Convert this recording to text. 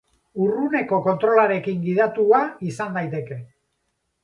Urruneko kontrolarekin gidatua izan daiteke.